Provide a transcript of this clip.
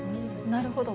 なるほど。